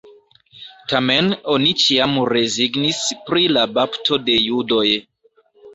Tamen oni ĉiam rezignis pri la bapto de judoj.